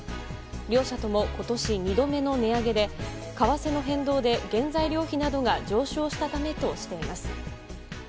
両社とも、今年２度目の値上げで為替の変動で原材料費などが上昇したためとしています。